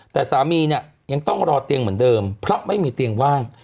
แต่สามีเนี่ยยังต้องรอเตียงเหมือนเดิมเพราะไม่มีเตียงว่าง